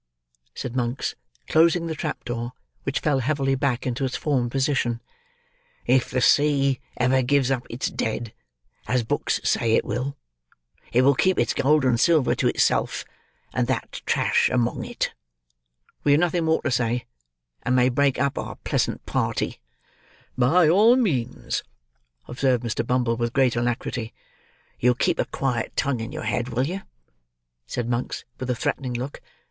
said Monks, closing the trap door, which fell heavily back into its former position. "If the sea ever gives up its dead, as books say it will, it will keep its gold and silver to itself, and that trash among it. We have nothing more to say, and may break up our pleasant party." "By all means," observed Mr. Bumble, with great alacrity. "You'll keep a quiet tongue in your head, will you?" said Monks, with a threatening look.